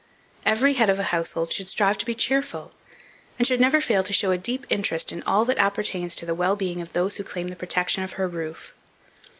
Every head of a household should strive to be cheerful, and should never fail to show a deep interest in all that appertains to the well being of those who claim the protection of her roof.